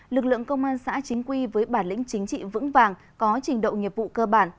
lực lượng công an xã chính quy với bản lĩnh chính trị vững vàng có trình độ nghiệp vụ cơ bản